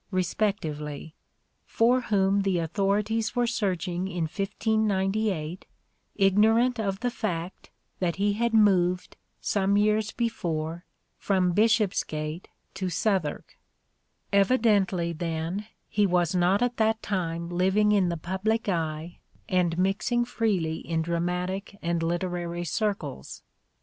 respectively) for whom the authorities were searching in 1598, ignorant of the fact that he 58 " SHAKESPEARE " IDENTIFIED had moved, some years before, from Bishopsgate to Southwark. Evidently, then, he was not at that time living in the public eye and mixing freely in dramatic and literary circles.